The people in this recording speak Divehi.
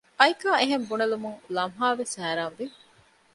އައިކާ އެހެން ބުނެލުމުން ލަމްހާވެސް ހައިރާންވި